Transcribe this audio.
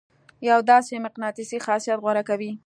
يو داسې مقناطيسي خاصيت غوره کوي.